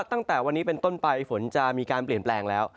ตั้งแต่วันนี้เป็นต้นไปฝนจะมีการเปลี่ยนแปลงแล้ว